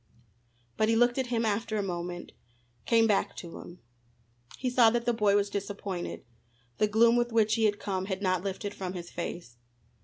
But he looked at him after a moment, came back to him. He saw that the boy was disappointed. The gloom with which he had come had not lifted from his face.